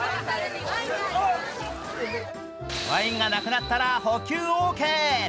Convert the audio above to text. ワインがなくなったら補給オーケー。